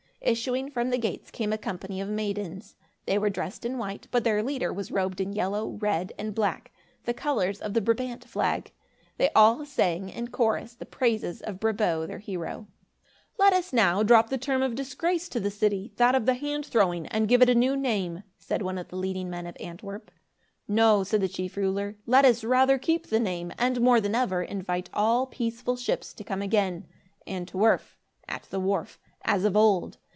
Issuing from the gates came a company of maidens. They were dressed in white, but their leader was robed in yellow, red, and black, the colors of the Brabant flag. They all sang in chorus the praises of Brabo their hero. "Let us now drop the term of disgrace to the city that of the Hand Throwing and give it a new name," said one of the leading men of Antwerp. "No," said the chief ruler, "let us rather keep the name, and, more than ever, invite all peaceful ships to come again, 'an 't werf' (at the wharf), as of old.